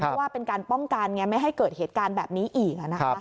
เพราะว่าเป็นการป้องกันไงไม่ให้เกิดเหตุการณ์แบบนี้อีก